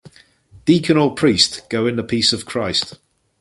Deacon or Priest: Go in the peace of Christ.